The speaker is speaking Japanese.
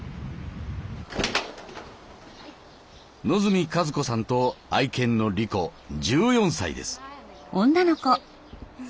野住和子さんと愛犬のリコ１４歳です。